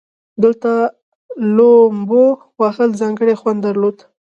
دلته لومبو وهل ځانګړى خوند درلودو.